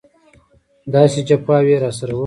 داسې جفاوې یې راسره وکړې.